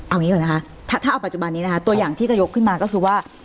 เอางี้ก่อนนะคะถ้าเอาปัจจุบันนี้นะคะตัวอย่างที่จะยกขึ้นมาก็คือว่า